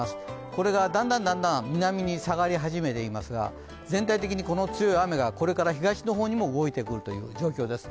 これがだんだん南に下がり始めていますが全体的にこの強い雨がこれから東の方にも動いてくるという状況です。